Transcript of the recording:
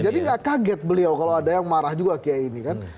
jadi nggak kaget beliau kalau ada yang marah juga kiai kiai ini kan